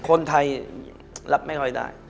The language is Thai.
คนไทยรับไม่ค่อยได้